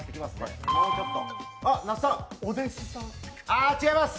あ、違います。